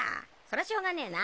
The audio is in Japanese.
そらしょうがねえな。